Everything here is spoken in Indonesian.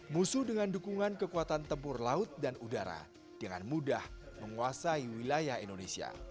musuh dengan dukungan kekuatan tempur laut dan udara dengan mudah menguasai wilayah indonesia